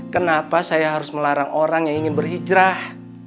kenapa saya harus melarang orang yang ingin berhijrah